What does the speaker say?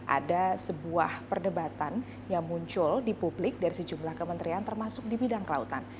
ada sebuah perdebatan yang muncul di publik dari sejumlah kementerian termasuk di bidang kelautan